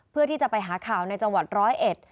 เพื่อที่จะไปหาข่าวในจังหวัดร้อยเอ็ด